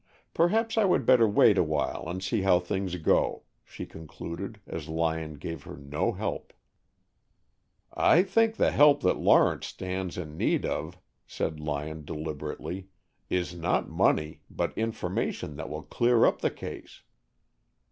"Perhaps I would better wait awhile and see how things go," she concluded, as Lyon gave her no help. "I think the help that Lawrence stands in need of," said Lyon, deliberately, "is not money, but information that will clear up the case."